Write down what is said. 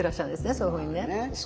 そういうふうにね。